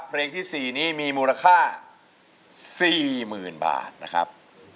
เพลงที่๔นี้มีมูลค่า๔๐๐๐บาทนะครับ